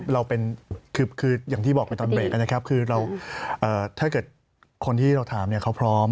เราเป็นคืออย่างที่บอกไปตอนเบรกนะครับคือเราถ้าเกิดคนที่เราถามเนี่ยเขาพร้อม